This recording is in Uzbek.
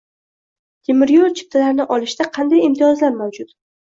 Temir yo‘l chiptalarini olishda qanday imtiyozlar mavjud?